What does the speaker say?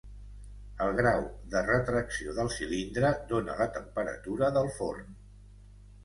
El grau de retracció del cilindre dóna la temperatura del forn.